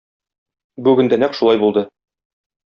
Бүген дә нәкъ шулай булды.